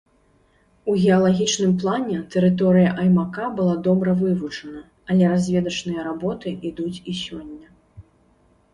У геалагічным плане тэрыторыя аймака была добра вывучана, але разведачныя работы ідуць і сёння.